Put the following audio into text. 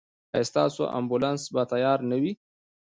ایا ستاسو امبولانس به تیار نه وي؟